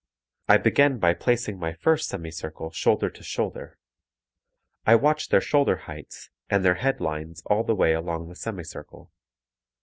I begin by placing my first semi circle shoulder to shoulder. I watch their shoulder heights and their head lines all the way along the semi circle.